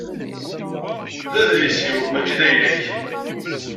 D adlis-iw, mačči d ayla-k.